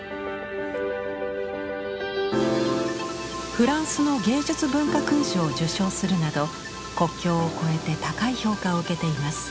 フランスの芸術文化勲章を受章するなど国境をこえて高い評価を受けています。